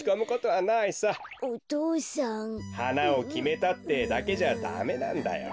はなをきめたってだけじゃダメなんだよ。